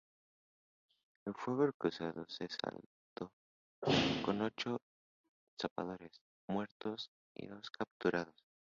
El fuego cruzado se saldó con ocho zapadores muertos y dos capturados.